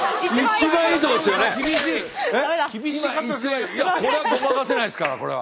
いやこれはごまかせないですからこれは。